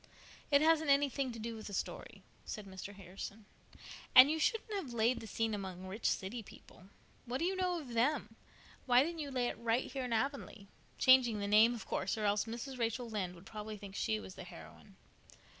"It hasn't anything to do with the story," said Mr. Harrison, "and you shouldn't have laid the scene among rich city people. What do you know of them? Why didn't you lay it right here in Avonlea—changing the name, of course, or else Mrs. Rachel Lynde would probably think she was the heroine."